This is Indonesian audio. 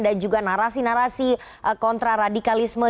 dan juga narasi narasi kontra radikalisme